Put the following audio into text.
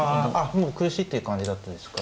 もう苦しいっていう感じだったですか。